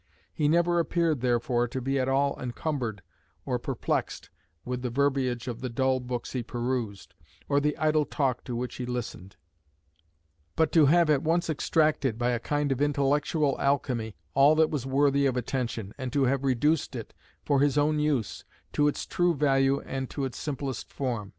He never appeared, therefore, to be at all encumbered or perplexed with the verbiage of the dull books he perused, or the idle talk to which he listened; but to have at once extracted, by a kind of intellectual alchemy, all that was worthy of attention, and to have reduced it, for his own use, to its true value and to its simplest form.